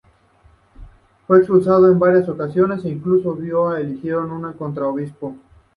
Fue expulsado en varias ocasiones e incluso vio que eligieron a un contra-obispo.